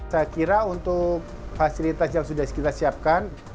saya kira untuk fasilitas yang sudah kita siapkan